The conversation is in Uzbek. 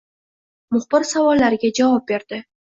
muxbir savollariga javob berdi